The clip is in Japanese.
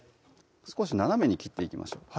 少し斜めに切っていきましょう